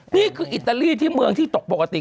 นี่คืออิตาลีที่เมืองที่ตกปกติ